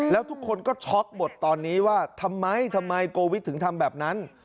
แล้วทุกคนก็ช็อกหมดตอนนี้ว่าทำไมทำไมโกวิทถึงทำแบบนั้น